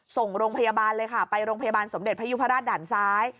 ส่งโรงพยาบาลเลยค่ะไปโรงพยาบาลสมเด็จพยุพราชด่านซ้าย